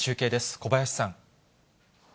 小林さん。